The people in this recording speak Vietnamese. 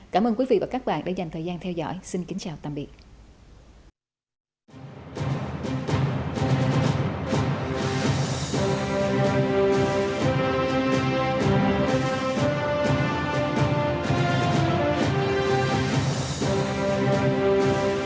cảm ơn quý vị và các bạn đã dành thời gian theo dõi xin kính chào tạm biệt